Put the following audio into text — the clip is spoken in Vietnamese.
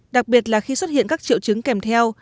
đặc biệt là khi xuất hiện các triệu chứng kèm theo